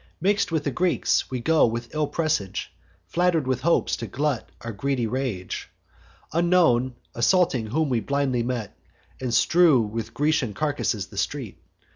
Mix'd with the Greeks, we go with ill presage, Flatter'd with hopes to glut our greedy rage; Unknown, assaulting whom we blindly meet, And strew with Grecian carcasses the street.